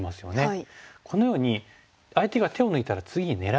はい。